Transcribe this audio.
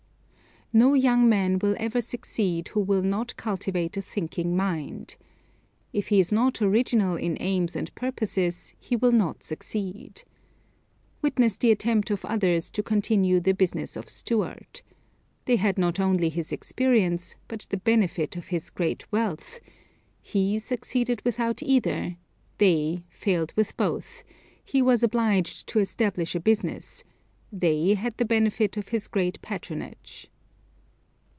No young man will ever succeed who will not cultivate a thinking mind. If he is not original in aims and purposes he will not succeed. Witness the attempt of others to continue the business of Stewart. They had not only his experience, but the benefit of his great wealth; he succeeded without either they failed with both; he was obliged to establish a business they had the benefit of his great patronage.